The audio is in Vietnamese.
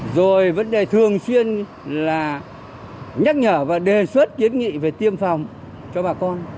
rồi vấn đề thường xuyên là nhắc nhở và đề xuất kiến nghị về tiêm phòng cho bà con